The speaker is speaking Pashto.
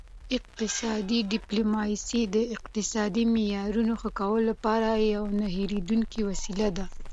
اقتصادي ډیپلوماسي د اقتصادي معیارونو ښه کولو لپاره یوه نه هیریدونکې وسیله ده